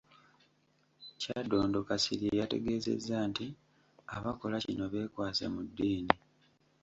Kyaddondo Kasirye yategeezezza nti abakola kino beekwese mu ddiini